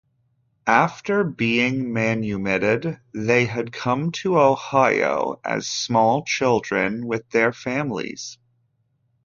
After being manumitted, they had come to Ohio as small children with their families.